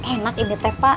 enak ini teh pak